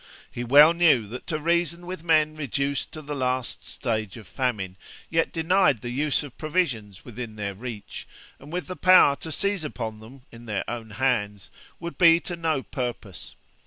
He well knew that to reason with men reduced to the last stage of famine, yet denied the use of provisions within their reach, and with the power to seize upon them in their own hands, would be to no purpose.